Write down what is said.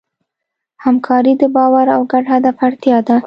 همکاري د باور او ګډ هدف اړتیا ده.